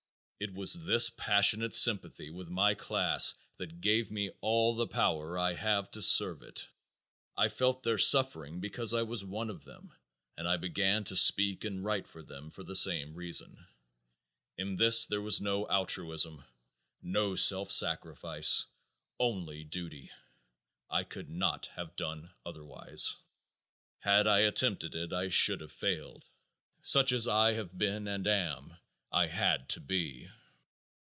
It was this passionate sympathy with my class that gave me all the power I have to serve it. I felt their suffering because I was one of them and I began to speak and write for them for the same reason. In this there was no altruism, no self sacrifice, only duty. I could not have done otherwise. Had I attempted it I should have failed. Such as I have been and am, I had to be.